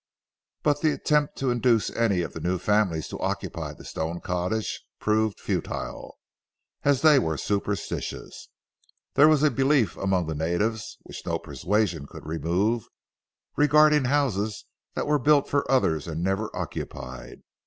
But the attempt to induce any of the new families to occupy the stone cottage proved futile, as they were superstitious. There was a belief among the natives, which no persuasion could remove, regarding houses that were built for others and never occupied.